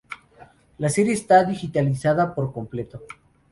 La serie está digitalizada por completo.